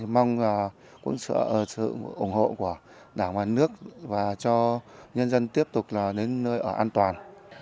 mong cũng sự ủng hộ của đảng ngoài nước và cho nhân dân tiếp tục là đến nơi ở an toàn